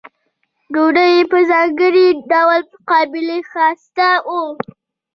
ډوډۍ یې په ځانګړي ډول قابلي ښایسته وه.